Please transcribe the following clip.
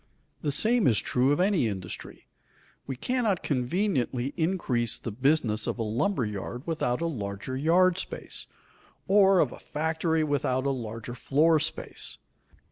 The same is true of any industry. We cannot conveniently increase the business of a lumber yard without a larger yard space, or of a factory without a larger floor space.